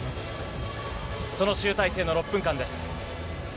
その集大成の６分間です。